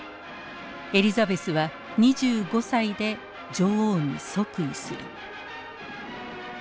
エリザベスは２５歳で女王に即位する。